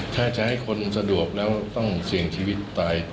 ถ้าจะให้คนสะดวกแล้วต้องเสี่ยงชีวิตตาย